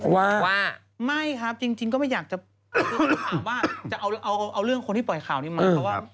ว่าไม่ครับจริงก็ไม่อยากจะถามว่าจะเอาเรื่องคนที่ปล่อยข่าวนี้มาเพราะว่า